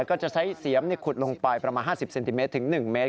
ก็จะใช้เสียมขุดลงไปประมาณ๕๐เซนติเมตรถึง๑เมตร